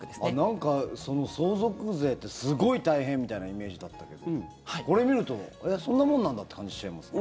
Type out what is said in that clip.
なんか相続税ってすごい大変みたいなイメージだったけどこれ見ると、そんなもんなんだって感じしちゃいますね。